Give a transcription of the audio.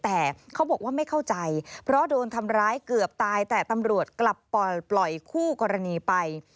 แต่เขาบอกว่าไม่เข้าใจเพราะโดนทำร้ายเกือบตายแต่ตำรวจกลับปล่อยคู่กรณีไป